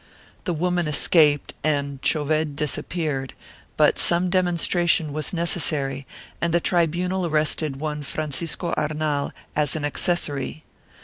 The woman escaped and Choved disappeared, but some demonstration was necessary and the tribunal arrested one Francisco Arnal as an accessory.